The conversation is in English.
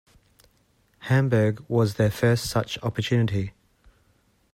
Hamburg was their first such opportunity.